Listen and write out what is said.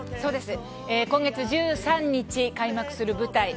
今月１３日に開幕する舞台